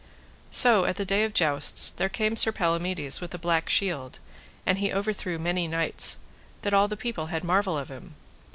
So at the day of jousts there came Sir Palamides with a black shield, and he overthrew many knights, that all the people had marvel of him.